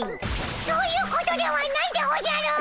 そういうことではないでおじゃる！